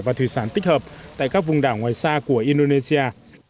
và thủy sản tích hợp tại các vùng đảo ngoài xa của indonesia